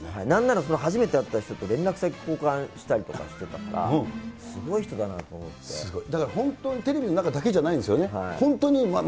なんなら、その初めて会った人と連絡先交換したりとかしてたから、すごい人すごい、だから本当に、テレビの中だけじゃないんですよね。